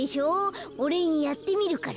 おれいにやってみるから。